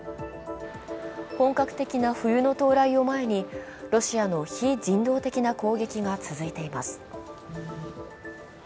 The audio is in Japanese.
本格的な冬の到来を前にロシアの非人道的な攻撃が続いています。